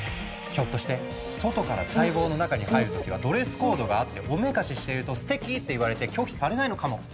ひょっとして外から細胞の中に入る時はドレスコードがあっておめかししているとすてきって言われて拒否されないのかも。